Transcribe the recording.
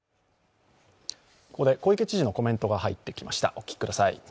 ここで小池知事のコメントが入ってきました。